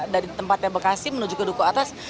dari tempatnya bekasi menuju ke duku atas